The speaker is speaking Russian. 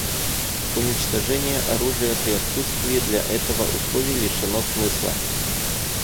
Уничтожение оружия при отсутствии для этого условий лишено смысла.